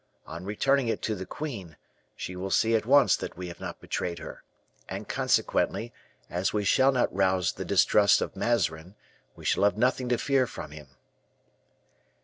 On returning it to the queen, she will see at once that we have not betrayed her; and consequently, as we shall not rouse the distrust of Mazarin, we shall have nothing to fear from him.